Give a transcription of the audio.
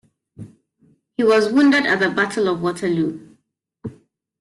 He was wounded at the Battle of Waterloo.